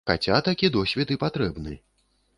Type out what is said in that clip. Хаця такі досвед і патрэбны.